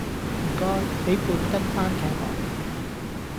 唔該，畀半斤番茄我